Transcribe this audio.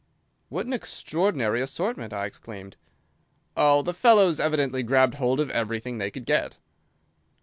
"What an extraordinary assortment!" I exclaimed. "Oh, the fellows evidently grabbed hold of everything they could get."